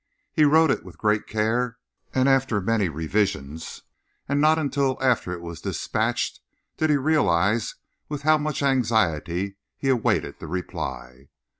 He wrote it with great care and after many revisions, and not until after it was dispatched did he realise with how much anxiety he awaited the reply.